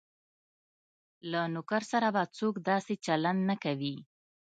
له نوکر سره به څوک داسې چلند نه کوي.